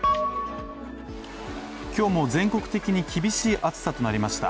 今日も全国的に厳しい暑さとなりました。